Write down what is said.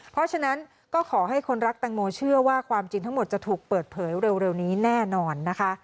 เพราะฉะนั้นก็ขอให้คนรักแตงโมเชื่อว่าความจริงทั้งหมดจะถูกเปิดเผยเร็วนี้แน่นอนนะคะ